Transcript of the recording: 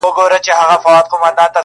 په جګړه کې کښېوزي